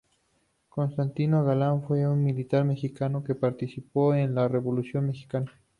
Constantino Galán fue un militar mexicano que participó en la Revolución mexicana.